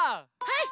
はい！